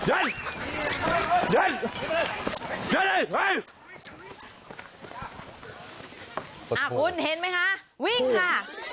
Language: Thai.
อ้ะคุณเห็นมั้ยคะวิ่งค่ะ